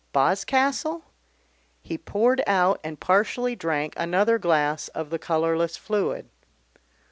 Boscastle? He poured out and partially drank another glass of the colourless fluid.